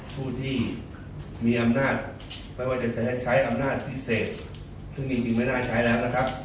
ผู้ที่มีอำนาจไม่ว่าจะใช้อำนาจพิเศษซึ่งจริงไม่ได้ใช้แล้วนะครับ